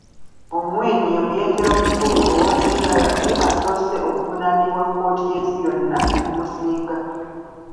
Ongwen ye muyeekera omukulu owa LRA asoose okuvunaanibwa kkooti y'ensi yonna ne gumusinga.